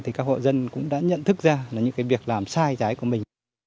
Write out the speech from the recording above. thì các hộ dân cũng đã nhận thức ra là những cái việc làm sai trái của mình